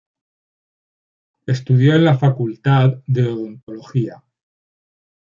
Estudió en la Facultad de Odontología.